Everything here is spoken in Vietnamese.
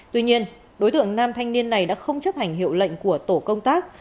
tuy nhiên đối tượng nam thanh niên này đã không chấp hành hiệu lệnh của tổ công tác